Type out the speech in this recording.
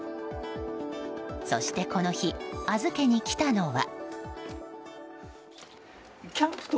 そして、この日預けに来たのは。